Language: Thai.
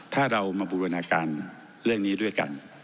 ถ้าเรามาบูรณาการเรื่องนี้ด้วยกัน